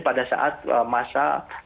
pada saat masa